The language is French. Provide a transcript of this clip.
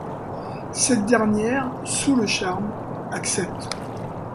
Cette dernière, sous le charme, accepte.